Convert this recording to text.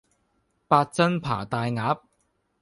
八珍扒大鴨